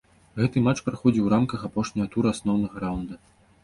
Гэты матч праходзіў у рамках апошняга тура асноўнага раўнда.